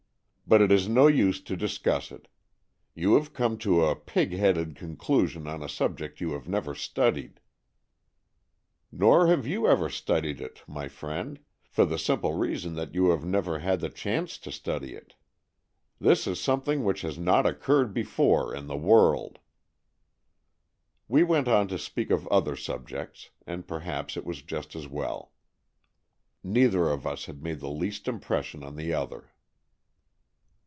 But it is no use to dis cuss it. You have come to a pig headed conclusion on a subject you have never studied." " Nor have you ever studied it, my friend — for the simple reason that you have never had the chance to study it. This is some 236 AN EXCHANGE OF SOULS thing which has not occurred before in the world/' We went on to speak of other subjects, and perhaps it was just as well. Neither of us had made the least impression on the other.